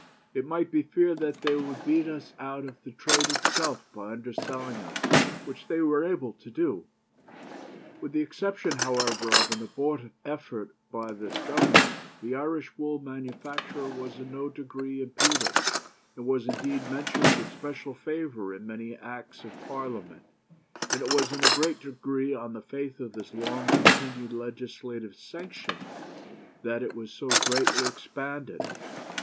It might be feared that they would beat us out of the trade itself by underselling us, which they were able to do.' With the exception, however, of an abortive effort by this governor, the Irish wool manufacture was in no degree impeded, and was indeed mentioned with special favour in many Acts of Parliament; and it was in a great degree on the faith of this long continued legislative sanction that it was so greatly expanded.